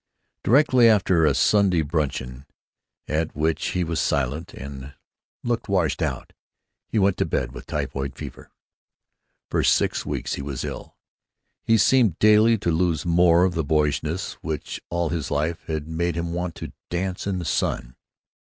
Directly after a Sunday bruncheon, at which he was silent and looked washed out, he went to bed with typhoid fever. For six weeks he was ill. He seemed daily to lose more of the boyishness which all his life had made him want to dance in the sun.